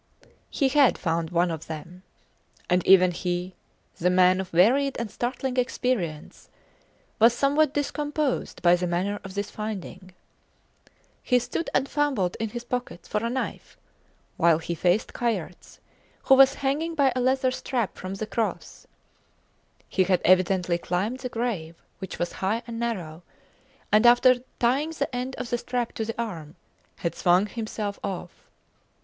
He had found one of them! And even he, the man of varied and startling experience, was somewhat discomposed by the manner of this finding. He stood and fumbled in his pockets (for a knife) while he faced Kayerts, who was hanging by a leather strap from the cross. He had evidently climbed the grave, which was high and narrow, and after tying the end of the strap to the arm, had swung himself off.